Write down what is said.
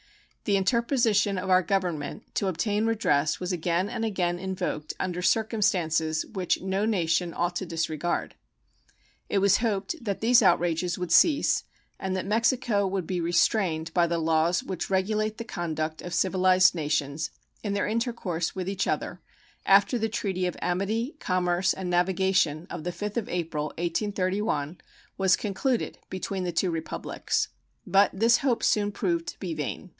The interposition of our Government to obtain redress was again and again invoked under circumstances which no nation ought to disregard. It was hoped that these outrages would cease and that Mexico would be restrained by the laws which regulate the conduct of civilized nations in their intercourse with each other after the treaty of amity, commerce, and navigation of the 5th of April, 1831, was concluded between the two Republics; but this hope soon proved to be vain.